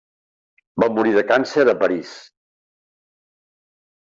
Va morir de càncer a París.